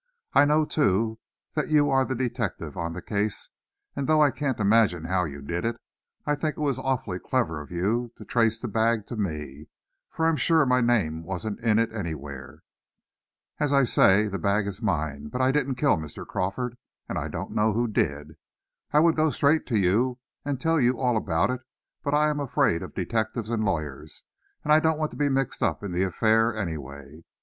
I know, too, that you are the detective on the case, and though I can't imagine how you did it, I think it was awfully clever of you to trace the bag to me, for I'm sure my name wasn't in it anywhere. As I say, the bag is mine, but I didn't kill Mr. Crawford, and I don't know who did. I would go straight to you, and tell you all about it, but I am afraid of detectives and lawyers, and I don't want to be mixed up in the affair anyway.